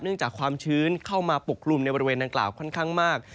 จากความชื้นเข้ามาปกกลุ่มในบริเวณดังกล่าวค่อนข้างมาก